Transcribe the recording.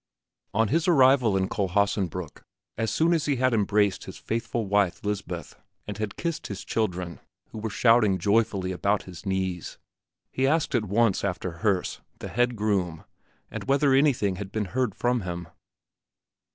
On his arrival at Kohlhaasenbrück, as soon as he had embraced his faithful wife Lisbeth and had kissed his children, who were shouting joyfully about his knees, he asked at once after Herse, the head groom, and whether anything had been heard from him.